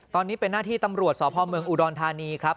ตอนนี้เป็นหน้าที่ตำรวจสพเมืองอุดรธานีครับ